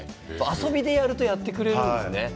遊びでやるとやってくれるんですね。